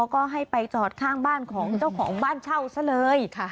ก็ให้ไปจอดข้างบ้านของเจ้าของบ้านเช่าซะเลย